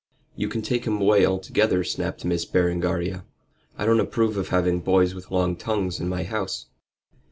"You can take him away altogether," snapped Miss Berengaria. "I don't approve of having boys with long tongues in my house.